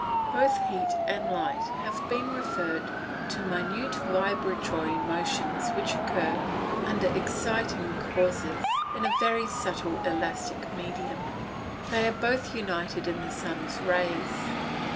_ Both heat and light have been referred to minute vibratory motions which occur, under exciting causes, in a very subtile elastic medium. They are both united in the sun's rays.